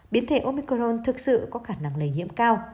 biến thể omicron thực sự có khả năng lây nhiễm cao